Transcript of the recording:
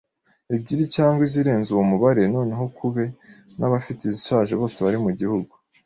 ebyiri cyangwa izirenze uwo mubare noneho ukube n’abafite izishaje bose bari mu gihugu